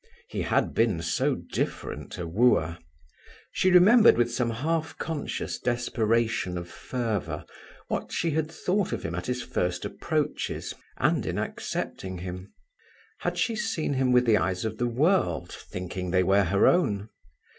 He had been so different a wooer. She remembered with some half conscious desperation of fervour what she had thought of him at his first approaches, and in accepting him. Had she seen him with the eyes of the world, thinking they were her own?